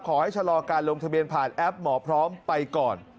ชะลอการลงทะเบียนผ่านแอปหมอพร้อมไปก่อน